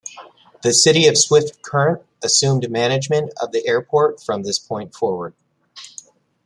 The City of Swift Current assumed management of the airport from this point forward.